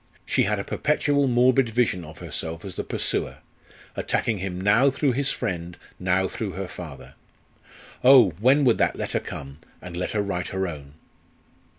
She had a perpetual morbid vision of herself as the pursuer, attacking him now through his friend, now through her father. Oh! when would that letter come, and let her write her own!